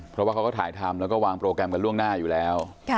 เพราะว่าเขาก็ถ่ายทำแล้วก็วางโปรแกรมกันล่วงหน้าอยู่แล้ว